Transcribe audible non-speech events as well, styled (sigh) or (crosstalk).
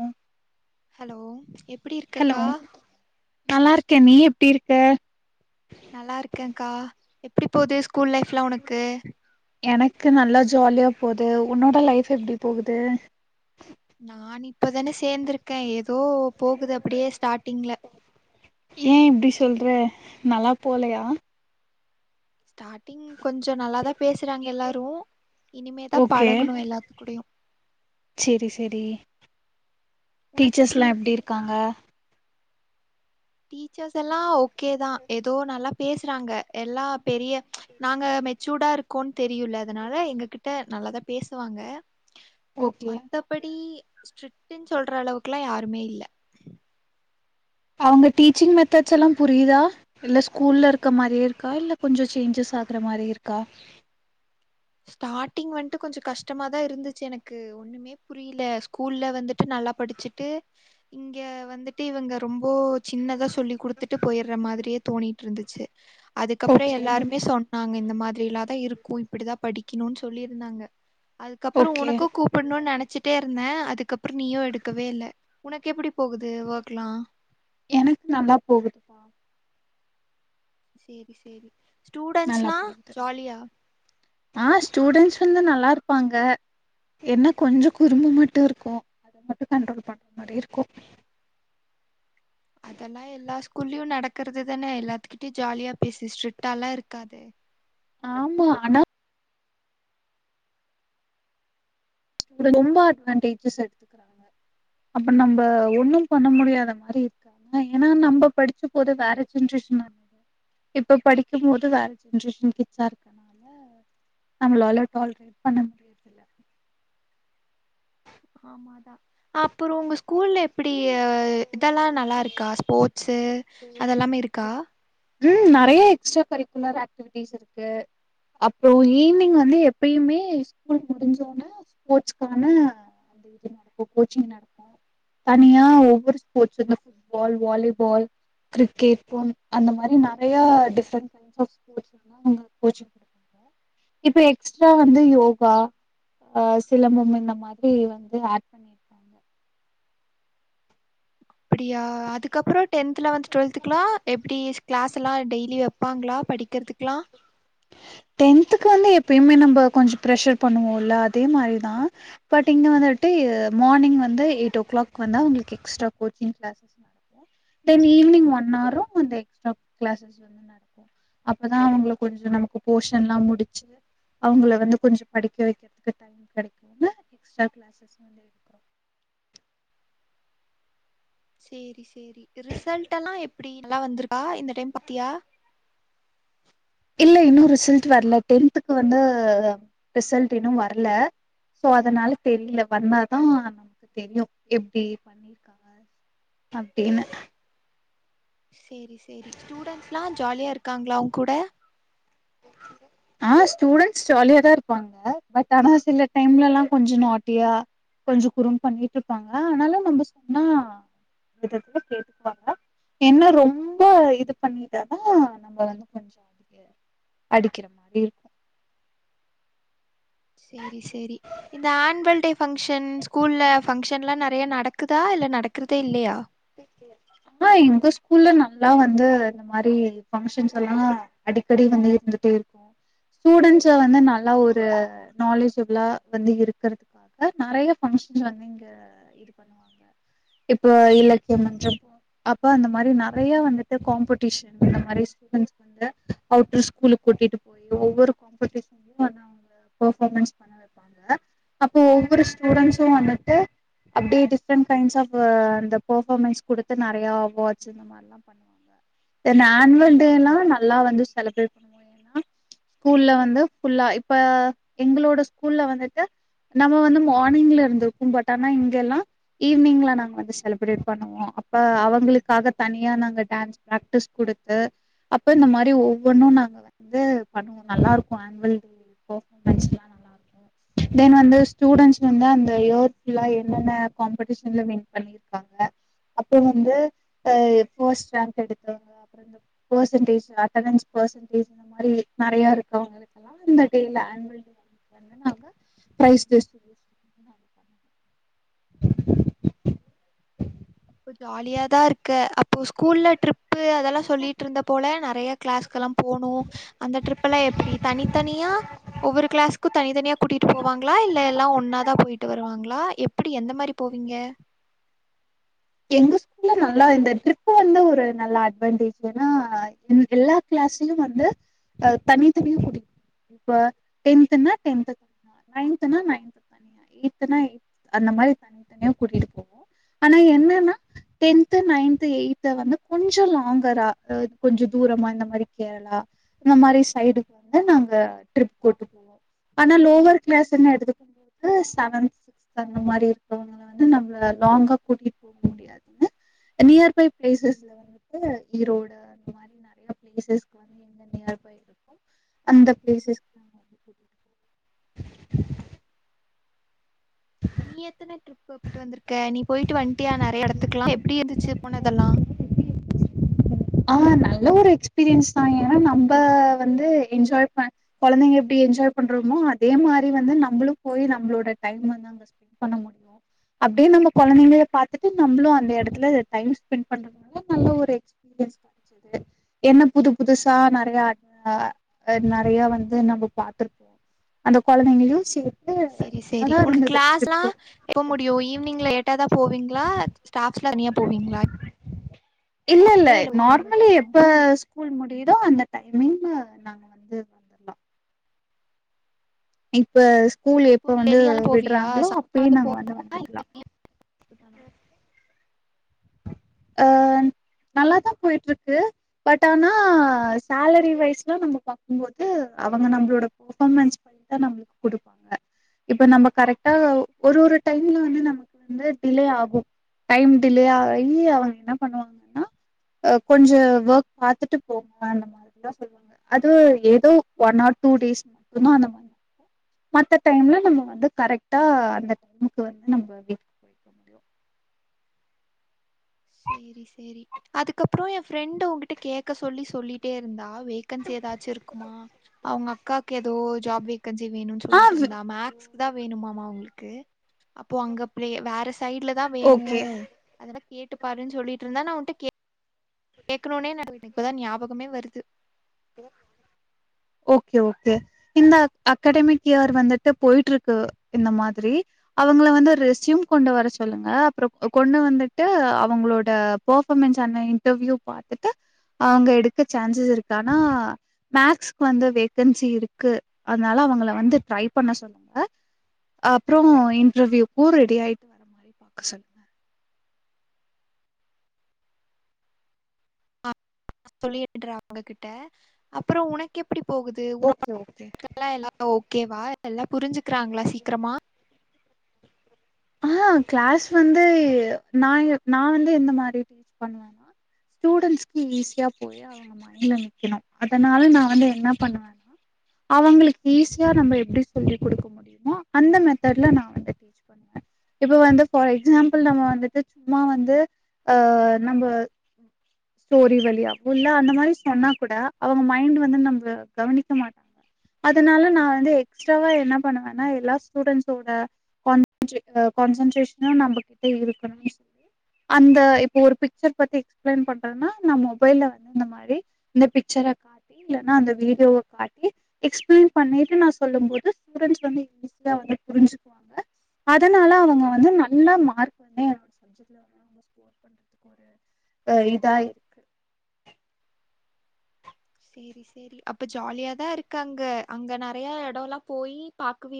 ம் ஹலோ எப்படி இருக்கக்கா நல்லா இருக்க நீ எப்டி இருக்க நல்லா இருக்கங்கா எப்டி போகுது ஸ்கூல் லைஃப்லா உனக்கு எனக்கு நல்லா ஜாலியா போது உன்னோட லைஃப் எப்டி போகுது நான் இப்பதானே சேந்திருக்கே ஏதோ போகுது அப்டியே ஸ்டாடிங்ல ஏ இப்டி சொல்ற நல்லா போலையா ஸ்டாட்டிங் கொஞ்ச நல்லா தா பேசுறாங்க எல்லாரு இனிமே தா பழகணு எல்லாத்து கூடயு செரி செரி உனக்கு டீச்சர்ஸ்லா எப்டி இருக்கு இருக்காங்க டீச்சர்ஸ் எல்லா ஓகே தா ஏதோ நல்லா பேசுறாங்க எல்லா பெரிய நாங்க மெச்சூர்டா இருக் கோன் தெரியுல அதனால எங்க கிட்ட நல்லாதா பேசுவாங்க ஓகே மத்தபடி ஸ்ட்ரிக்டுன் சொல்ற அளவுக்குல்லா யாருமே இல்ல அவங்க டீச்சிங் மெத்தட்ஸ் எல்லா புரியுதா இல்ல ஸ்கூல்ல இருக்க மாரியே இருக்கா இல்ல கொஞ்ச சேஞ்சஸ் ஆகுற மாரி இருக்கா ஸ்டாடிங் வந்துட்டு கொஞ்ச கஷ்டமாதா இருந்துச்சு எனக்கு ஒண்ணுமே புரியல ஸ்கூல்ல வந்துட்டு நல்லா படிச்சுட் ட்டு இங்க வந்துட்டு இவங்க ரொம்போ சின்னதா சொல்லி குடுத்துட்டு போயிடுற மாரியே தோணிட்டு இருந்துச்சு அதுக்கப்புற ஓகே எல்லாருமே சொன்னாங்க இந்த மாதிரிலாதா இருக்கு இப்படிதா படிக்கணுன் சொல்லிருந்தாங்க அதுக்கப்புற ஓகே உனக்கு கூப் கூப்புனு நெனச்சிட்டே இருந்தே அதுக்கப்புற நீயு எடுக்கவே இல்ல உனக்கு எப்படி போகுது ஒர்க்லா எனக்கு நல்லா போகுது செரி செரி நல்லா ஸ்டூடன்ஸ்லா போகுது ஜாலியா ஆ ஸ்டூடெண்ட்ஸ் வந்து நல்லா இருப்பாங்க என்ன கொஞ்சோ குறும்பு மட்டு இருக்கு அத மட்டு கண்ட்ரோல் பண்ற மாரி இருக்கு அதெல்லா எல்லா ஸ்கூல்லயு நடக்கறது தானே எல்லாத்துகிட்டயு ஜாலியா பேசு ஸ்ட்ரிக்டாலா இருக்காத ஆமா ஆனா ரொம்ப அட்வான்டேஜஸ் எடுத்துக் அப்ப நம்ம ஒண்ணு பண்ண முடியாத மாரி ஆ ஏனா நம்ம படிச்சம் போது வேற ஜென்ரேசனா இப்போ படிக்கும் போது வேற ஜென்ரேஷன் கிட்சாருக் நம்மளால டார்கெட் பண்ண இல்ல ஆமாதா அப்பறோ உங்க ஸ் கூல்ல எப்டி இதெல்லா நல்லாருக்கா ஸ்போர்ட்ஸு அதெல்லாமே இருக்கா ம் நறைய எக்ஸ்ட்ரா கரிக்குலர் ஆக்டிவிட்டிஸ் இருக்கு அப்றோ ஈவினிங் வந்து எப்பயுமே ஸ்கூல் முடிஞ்சோன்ன ஸ்போர்ட்ஸ்தான அது இது நடக்கு கோச்சிங் நடக்கு தனியா ஒவ்வொரு ஸ்போர்ட்ஸ் வந்து ஃபுட்பால் வாலிபால் கிரிக்கெட் போன் அந்த மாரி நறைய டிஃப்ரெண்டஸ் ஜாய்ஸ் ஆப் ஸ்போர்ட்ஸ் நா உங்க கோச் இப்ப எக்ஸ்ட்ரா வந்து யோகா ஆ சிலம்பம் இந்த மாரி வந்து ஆட் பண்ணிரு அப்பிடியா அதுக்கப்றோ டென்த் லெவல்த் டுவெல்த்குலா எப்டி கிளாஸ்லா டெய்லி வெப்பாங்களா படிக்கிறதுக்கலா டென்த்துக்கு வந்து எப்பயுமே நம்ம கொஞ்சோ ப்ரெஷர் பண்ணுவோல அதே மாரிதா பட் இங்கே வந்துட்டு மார்னிங் வந்து எயிட் ஓ கிளாக் வந்தா அவுங்களுக்கு எக்ஸ்ட்ரா கோச்சிங் கிளாஸஸ் நடக்கு தென் ஈவினிங் ஒன் ஹாரு அந்த எக்ஸ்ட்ரா கிளாஸஸ் வந்து நடக் அப்போதா அவுங்கள கொஞ்சோ நமக்கு போஷன்ல்லா முடிச்சு அவுங்கள வந்து கொஞ்சோ படிக்க வைக்கிறதுக்கு டைம் கெடைக்கனுன்னு எக்ஸ்ட்ரா கிளாஸ்சஸ் வந்து எடு சேரி சேரி ரிசல்ட்ல்லா எப்பிடி நல்லா வந்துருக்கா இந்த டைம் பாத்தியா இல்ல இன்னு ரிசல்ட் வரல டென்துக்கு வந்து ரிசல்ட் இன்னு வரல சோ அதனால தெரில வந்தாதா நமக்கு தெரியு எப்டி பண்ணிருக்காங்க அப்டின்னு சேரி சேரி ஸ்டூடண்ஸ்லா ஜாலியா இருக்காங்களா ஒங் கூட ஆ ஸ்டூடண்ட்ஸ் ஜாலியாதா இருப்பாங்க பட் ஆனா சில டைம்லலா கொஞ்சோ நாட்டியா கொஞ்சோ குறும்பு பண்ணிட்டு இருப்பாங்க ஆனாலு நம்ம சொன்னா விதத்துல கேட்டுக்குவாங்க என்ன ரொம்ப இது பண்ணிட்டாதா நம்ம வந்து கொஞ்சோ அடி அடிக்கிற (unintelligible) சேரி சேரி இந்த ஆன்வல் டே பங்ஷன் ஸ்கூல்ல பங்க்ஷன்லா நறைய நடக்குதா இல்ல நடக்கறதே இல்லையா ஆ எங்க ஸ்கூல்ல நல்லா வந்து இந்த மாரி பங்க்ஷன்ஸ்ல்லா அடிக்கடி வந்து இருந்துட்டே இருக்கு ஸ்டூடெண்ட்ஸ வந்து நல்லா ஒரு நாலேஜிபுளா வந்து இருக்கறதுக் காக நறைய பங்ஷன் வந்து இங்க இது பண்ணுவாங்க இப்ப இல்லக் (unintelligible) அப்ப அந்த மாரி நறைய வந்துட்டு காம்படிஷன் அந்த மாரி ஸ்டுடென்ட் வந்து அவுட்ரு ஸ்கூலுக்கு கூட்டிட்டு போய் ஒவ்வொரு காம்படிஷன்லயு (inaudible) அவுங்கள பெர்பார்மன்ஸ் (unintelligible) பண்ண வெப்பாங்க அப்போ ஒவ்வொரு ஸ்டூடெண்ஸு வந்துட்டு அப்டியே டிஃப்ரெண்ட் கைண்ட்ஸ் ஆஃப் அந்த பெர்ஃபமன்ஸ் கொடுத்து நிறையா அவார்ட்ஸு தென் ஆனுவல் டே ல்லா நல்லா வந்து செலிப்ரேட் ஏன்னா ஸ்கூல்ல வந்து ஃபுல்லா இப்ப எங்களோட ஸ்கூல்ல வந்துட்டு நம்ம வந்து மார்னிங்ல இருந்துருக்கு பட் ஆனா இங்கெல்லா ஈவ்னிங்ல நாங்க வந்து செல் அந்த மாரி பண்ணுவோ அப்ப அவங்களுக்காக தனியா நாங்க டான்ஸ் பிராக்டிஸ் கொடுத்து அப்ப இந்த மாரி ஒவ்வொன்னு நாங்க வந்து பண்ணுவோ நல்லா இருக்கு ஆன்வல் டே (unintelligible) தென் வந்து ஸ்டூடன்ட்ஸ் வந்து அந்த இயர் ஃபுல்லா என்னென்ன காம்படிஷன்ல வின் பண்ணிரு க்காங்க அப்றோ வந்து ஃபர்ஸ்ட் ரேங்க் எடுத்தவங்க பர்சன்டேஸ் அட்டனஸ் பர்சன்டேஸ் இந்த மாரி நிறைய இருக்கு அவங்களுக்கு அந்த டைல பிரைஸ் திஸ் இப்ப ஜாலியா தா இருக்க அப்போ ஸ்கூல்ல ட்ரிப்பு அதெல்லா சொல்லிட்டு இருந்தப் போல நிறைய கிளாஸ்க்கல்லா போனு அந்த ட்ரிப்பல்லா எப்டி தனித்தனியா ஒவ்வரு கிளாஸ்கு தனித்தனியா கூட்டிட்டு போவாங்களா இல்ல எல்லா ஒன்னாதா போய்ட்டு வருவாங்ளா எப் எப்டி எந்த மாரி போவீங்க எங்கு நல்லா இந்த ட்ரிப்பு வந்து ஒரு நல்ல அட்வான்டேஜ் ஏன்னா எல்லா கிளாஸ்லயு வந்து அஹ் தனி தனியு குடிக் இப்ப டென்த்து னா டென்த்து நைன்த்து னா நைன்த்து இத்தனை அந்த மாரி தனி தனியா கூட்டிட்டு போவோ ஆனா என்ன டென்த் நைன்த்து எயித்து வந்து கொஞ்சோ லாங்கரா கொஞ்சோ தூரமா இந்த மாரிக்கு கேரளா இந்த மாரி சைடுக்கு வந்து நாங்க ட்ரிப் போட்டு போவோ ஆனா லோவர் கிளாஸ்ன்னு எடுத்துக்கோ செவன்த் சிக்ஸ்த் அந்த மாரி இருக்கவங்கள வந்து நம்மள லாங்கா கூட்டிட்டு போக முடியாதுன்னு நியர்பை பிளேசஸ்ல வந்துட்டு ஈரோடு (inaudible) அந்த பிளேசஸ் நீ எத்தன ட்ரிப் போயிட்டு வந்திருக்க நீ போயிட்டு வன்ட்டியா நிறைய இடத்துக்கலா போவோ எப்டி இருந்துச்சு போனதெல்லா ஆஹ் நல்ல ஒரு எக்ஸ்பீரியன்ஸ் தா ஏன்னா நம்ப வந்து என்ஜாய் பண் குழந்தைங்க எப்டி என்ஜாய் பண்றோமோ அதே மாரி வந்து நம்மளு போய் நம்மளோட டைம் வந்து அந்த பண்ண முடியு அப்டியே நம்ம குழந்தைங்கள பாத்துட்டு நம்மளு அந்த இடத்துல டைம் ஸ்பெண்ட் பண்ண நல்ல ஒரு எக்ஸ்பீரியன்ஸ் கடச்சிது என்ன புது புதுசா நிறையா நிறையா வந்து நம்ம பாத்திருக்கோ அந்த குழந்தைங்களுக்கு சி சரி சரி உனக்கு கிளாஸ் ல்லா எப்ப முடியு ஈவினிங்ல லேட் டா தா போவீங்களா ஸ்டாஃப்ஸ்லா தனியா போவீங்ளா உப்பே இல்ல போயிரு இவ்ளோ சீக்கிரோ ஸ்கூல் முடியுதோ அந்த டைமிங்ல நா இப்ப ஸ்கூல் எப்ப அப்போ நீ வந்து வெளியல்லாம் போவியா விடுறாங்களோ சாயங்காலம் அப்பயே நாங்க வந்து போவியா இல்ல வந்துரலா நீ மட்டும்தானா? அஹ் நல்லாதா போய்ட்டுருக்கு பட் ஆனா சேலரி வைஸ்லா நம்ப பாக்கும்போது அவங்க நம்மளோட பெர்ஃபாமன்ஸ் பண்ணிட்டு தா நம்மளுக்கு கொடுப்பாங்க இப்ப நம்ம கரெக்டா ஒரு ஒரு டைம்ல வந்து நமக்கு வந்து டிலே ஆகும் டைம் டிலே ஆவ் இல்யா அவங்க என்ன பண்ணுவாங்கன்னா கொஞ்சம் ஒர்க் பாத்துட்டு போ அந்த மாரி தா சொல்லுவாங் அதுவு ஏதோ ஒன் ஆர் டூ டேஸ் மட்டுதா அந்த மாரி மத்த டைம்ல நம்ம வந்து கரெக்டா அந்த டைமுக்கு வந்து நம்போ எப்டியோ சேரி சேரி அதுக்கப்றோ என் ஃப்ரெண்ட்டு உங்கிட்ட கேக்க சொல்லி சொல்லிட்டே இருந்தா வேகன்சி எதாச்சு இருக்குமா அவங்க அக்காக்கு எதோ ஜாப் வேகன்சி வேணும் ஆ சொல்லிட்ருந்தா மேக்ஸ்க்கு தா வேணுமாமா அவுங்ளுக்கு அப்றோ அங்க போயி வேற சைட்லதா ஓகே வேணும் அதோட ட்டுபாருன் சொல்லிட்ருந்த நா உன்ட்ட கே கேக்கனோனே எனக்கு இப்போதா ஞாபகமே வருது (inaudible) ஓகே ஓகே இந்த அகாடமிக் இயர் வந்துட்டு போயிட்ருக்கு இந்த மாதிரி அவங்கள வந்து ரெஸ்யூம் கொண்டு வர சொல்லுங்க அப்றோ கொண்டு வந்துட்டு அவங்களோட ஃபெர்பாமன்ஸ் ஆன இன்டர்வியூ பாத்துட்டு அவங்க எடுக்க சான்சஸ் இருக்கு ஆனா மேக்ஸ்க்கு வந்து வேகன்சி இருக்கு அதனால அவங்கள வந்து ட்ரை பண்ண சொல்லுங்க அப்றம் இன்டர்வியூக்கும் ரெடி ஆயிட்டு வர மாரி பாக்க சொல்லு சொல்லிட்ற அவங்ககிட்ட அப்புறோ உனக்கு எப்பிடி போகுது உன ஓகே ஓகே (inaudible) ல எல்லா ஓகேவா எல்லா புரிஞ்சுக்குறாங்ளா சீக்கிரமா இல்ல கிளாஸ் வந்து நா நா வந்து எந்த மாரி டீச் பண்ணுவேன்னா ஸ்டூடென்ஸ்கு ஈஸியா புரியோ ஆ மைன்ட்ல நிக்கணு அதனால நா வந்து என்ன பண்ணுவே அவங்களுக்கு ஈஸியா நம்ம எப்டி சொல்லி குடுக்க முடியுமோ அந்த மெத்தட்ல நா வந்து டீச் பண்ணுவ இப்ப வந்து ஃபார் எக்ஸாம்பிள் நம்ம வந்துட்டு சும்மா வந்து ஆ நம்ப (inaudible) ஸ்டோரி வழியா ஃபுல்லா அந்த மாரி சொன்னா கூட அவங்க மைண்ட் வந்து நம்பள கவனிக்க மாட் அதனால நா வந்து எக்ஸ்ட்ராவா என்ன பண்ணுவேன்னா எல்லா ஸ்டூடெண்ஸ்ஸோட கான்சென்ட்ரேஷனும் நம்பகிட்ட இருக்கணும் சொல்லி அந்த இப்ப ஒரு பிக்சர் பத்தி எக்ஸ்பிளைன் பண்றேன்னா நா மொபைல்ல வந்து இந்த மாரி இந்த பிக்சரா காட் இல்லனா அந்த வீடியோவ காட்டி எக்ஸ்பிளைன் பண்ணிட்டு நா சொல்லும் போது ஸ்டூடன்ஸ் வந்து ஈஸியா அதுலே புரிஞ்சிக்குவாங் அதனால அவங்க வந்து நல்ல மார்க் வரும் நெஜத்திலு அவங்களும் நம்ம ஸ்கூல் ஒர்க் பண்றது ஓ இனிதாய் சேரி சேரி அப்ப ஜாலியாதா இருக்கு அங்க அங்க நெறயா எடல்லா போயி பாக்குவியா